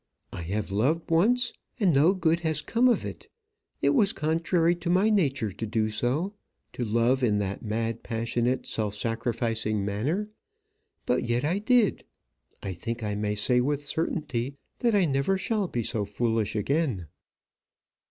I have loved once, and no good has come of it. It was contrary to my nature to do so to love in that mad passionate self sacrificing manner. But yet I did. I think I may say with certainty that I never shall be so foolish again."